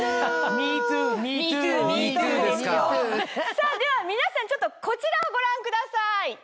さぁでは皆さんちょっとこちらをご覧ください。